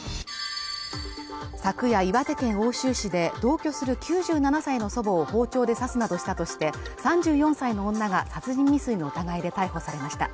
昨夜岩手県奥州市で同居する９７歳の祖母を包丁で刺すなどしたとして３４歳の女が殺人未遂の疑いで逮捕されました